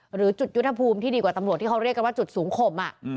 หรือจุดยุทธภูมิที่ดีกว่าตำรวจที่เขาเรียกกันว่าจุดสูงข่ม